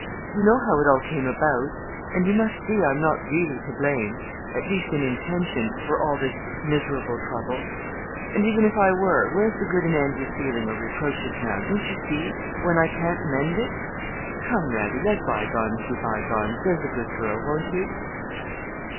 You know how it all came about, and you must see I'm not really to blame, at least in intention, for all this miserable trouble; and even if I were, where's the good in angry feeling or reproaches now, don't you see, when I can't mend it? Come, Radie, let by gones be by gones. There's a good girl; won't you?'